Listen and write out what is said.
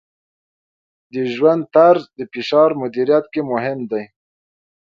د ژوند طرز د فشار مدیریت کې مهم دی.